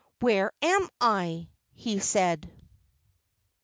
"Where am I?" he said.